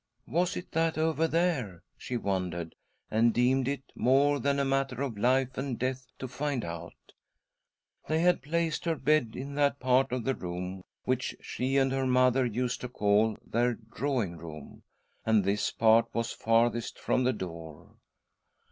" What is that over there ?" she wondered, and deemed it ' more than a matter of life and death to find out. i "■'■■ y ...^ SISTER EDITH PLEADS WITH DEATH 107 They had placed her bed in that part of the room which she and her mother used to call their drawing room, and this part was farthest from the door.